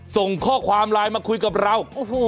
ส่งข้อความไลน์มาคุยกับเรา